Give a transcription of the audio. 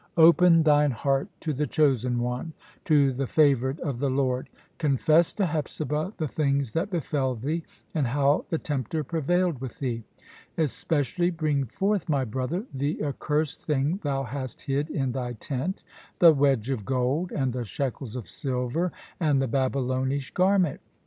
Open thine heart to the chosen one, to the favoured of the Lord. Confess to Hepzibah the things that befell thee, and how the tempter prevailed with thee. Especially bring forth, my brother, the accursed thing thou hast hid in thy tent, the wedge of gold, and the shekels of silver, and the Babylonish garment.